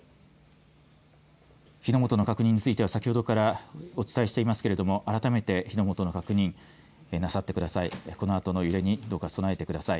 火の元の確認については先ほどからお伝えしていますけれども改めて火の元の確認なさってください。